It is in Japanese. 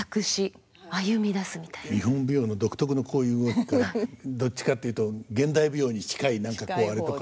日本舞踊の独特のこういう動きからどっちかっていうと現代舞踊に近い何かこうアレとか。